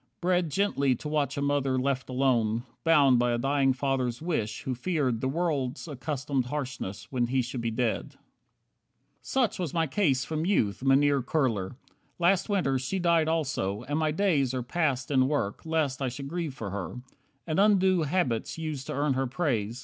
"Bred Gently to watch a mother left alone; Bound by a dying father's wish, who feared The world's accustomed harshness when he should be dead; 18 Such was my case from youth, Mynheer Kurler. Last Winter she died also, and my days Are passed in work, lest I should grieve for her, And undo habits used to earn her praise.